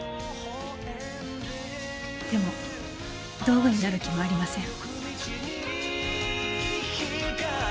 でも道具になる気もありません。